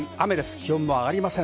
気温も上がりません。